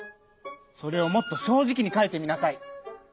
それをもっと正じきにかいてみなさい。